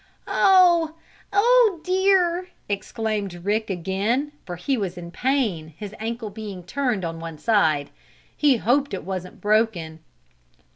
"Oh! Oh, dear!" exclaimed Rick again, for he was in pain, his ankle being turned on one side. He hoped it wasn't broken.